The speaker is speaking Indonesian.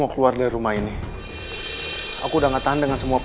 sylvia saya pulang dulu ya